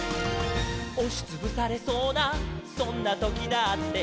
「おしつぶされそうなそんなときだって」